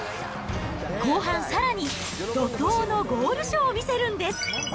後半、さらに怒とうのゴールショーを見せるんです。